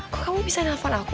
kok kamu bisa nelfon aku